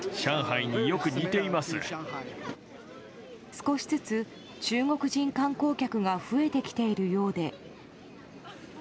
少しずつ中国人観光客が増えてきているようで。